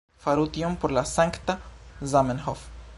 Faru tion por la sankta Zamenhof